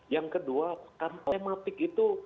yang kedua tematik itu